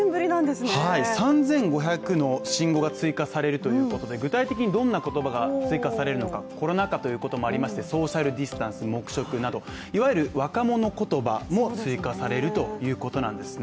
３５００の新語が追加されるということで具体的にどんな言葉が追加されるのか、コロナ禍ということもありまして、ソーシャルディスタンス、黙食などいわゆる若者言葉も追加されるということなんですね。